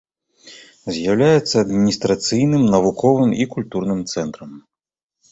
З'яўляецца адміністрацыйным, навуковым і культурным цэнтрам.